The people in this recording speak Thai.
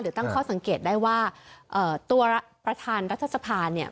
ตั้งข้อสังเกตได้ว่าตัวประธานรัฐสภาเนี่ย